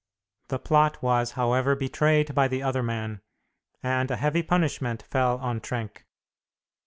The plot was, however, betrayed by the other man, and a heavy punishment fell on Trenck.